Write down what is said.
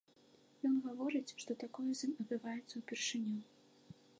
Ён гаворыць, што такое з ім адбываецца ўпершыню.